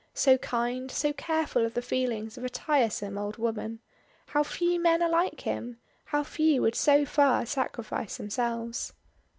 So kind, so careful of the feelings of a tiresome old woman. How few men are like him. How few would so far sacrifice themselves.